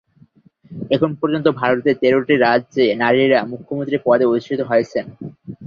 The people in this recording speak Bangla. এখন পর্যন্ত ভারতে তেরটি রাজ্যে নারীরা মুখ্যমন্ত্রীর পদে অধিষ্ঠিত হয়েছেন।